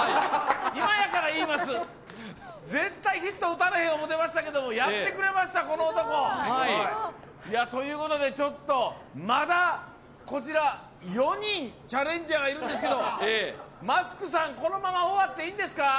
今やから言います、絶対ヒット打たれへんと思っていましたけど、やってくれました、この男。ということで、ちょっとまだこちら４人チャレンジャーがいるんですけれどもマスクさん、このまま終わっていいんですか？